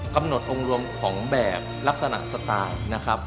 กำหนดองค์รวมของแบบลักษณะสไตล์นะครับ